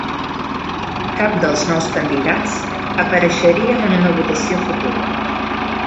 Cap dels nous candidats apareixerien en una votació futura.